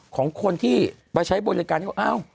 ของคนที่มาใช้บริการเนี่ยเขาเอ้า